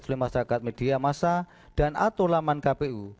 oleh masyarakat media masa dan atau laman kpu